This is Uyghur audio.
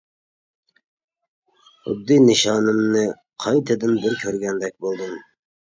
خۇددى نىشانىمنى قايتىدىن بىر كۆرگەندەك بولدۇم.